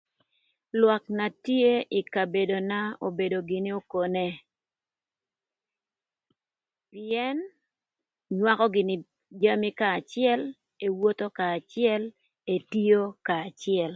Lwak na tye ï kabedona obedo gïnï okone, pïën nywakö gïnï jami kanya acël, ewotho kanya acël, etio kanya acël